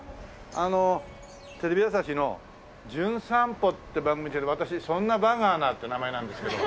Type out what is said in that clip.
あのテレビ朝日の『じゅん散歩』って番組で来てる私「そんなバーガーな」って名前なんですけど。